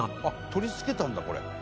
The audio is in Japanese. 取り付けたんだこれ。